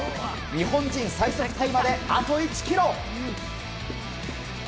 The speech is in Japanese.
日本人最速タイまであと１キロ！